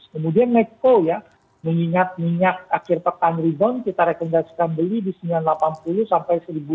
kemudian mekko ya mengingat ingat akhir pekan ribon kita rekomendasikan beli di rp sembilan ratus delapan puluh sampai rp satu tujuh puluh lima